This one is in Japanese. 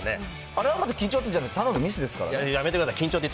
あれは緊張じゃない、ただのミスですからね。